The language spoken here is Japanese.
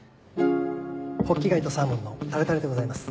ホッキ貝とサーモンのタルタルでございます。